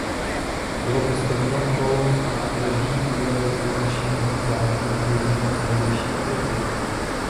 Bylo postaveno okolo nádraží podle regulačního plánu jako jediné v tehdejší Etiopii.